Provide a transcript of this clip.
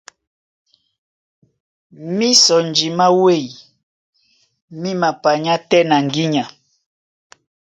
Mísɔnji má wêy mí mapanyá tɛ́ na ŋgínya.